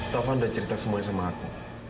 taufan udah cerita semuanya sama aku